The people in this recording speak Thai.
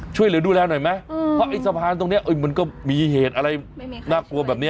ช่วยเหลือดูแลหน่อยไหมเพราะไอ้สะพานตรงนี้มันก็มีเหตุอะไรน่ากลัวแบบนี้